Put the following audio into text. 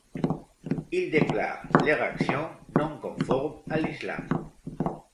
Il déclara leurs actions non conformes à l'Islam.